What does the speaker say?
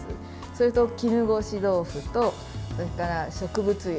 それと絹ごし豆腐とそれから植物油。